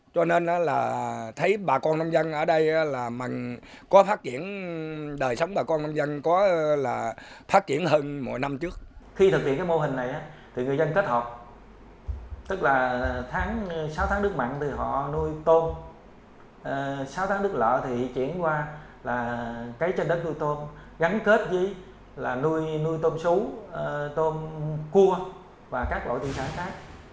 tức là sáu tháng nước mặn thì họ nuôi tôm sáu tháng nước lợ thì chuyển qua là cái trên đất nuôi tôm gắn kết với là nuôi tôm sú tôm cua và các loại tiền sản khác